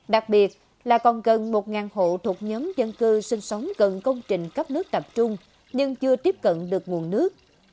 đặc biệt là còn gần một hộ thuộc nhóm dân cư sinh sống gần công trình cấp nước tập trung nhưng chưa tiếp cận được nguồn nước